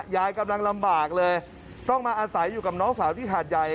ยายกำลังลำบากเลยต้องมาอาศัยอยู่กับน้องสาวที่หาดใหญ่